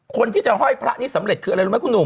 คนที่จะห้อยพระนี้สำเร็จคืออะไรรู้ไหมคุณหนุ่ม